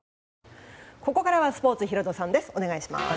ここからはスポーツヒロドさんです。